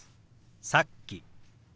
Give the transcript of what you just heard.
「さっき」。